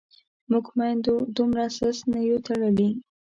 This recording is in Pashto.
موږ میندو دومره سست نه یو تړلي.